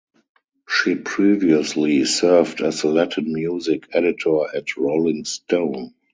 She previously served as the Latin music editor at "Rolling Stone".